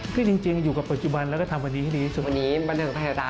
ก็จริงอยู่กับปัจจุบันแล้วก็ทำวันนี้ให้ดีที่สุด